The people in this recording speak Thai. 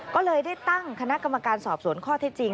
ก็เลยได้ตั้งคณะกรรมการสอบสวนข้อที่จริง